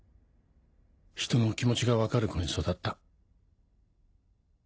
ひとの気持ちが分かる子に育った」。